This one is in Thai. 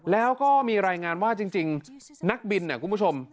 แล้วก็มีรายงานว่าจริงนักบินคุณผู้ชม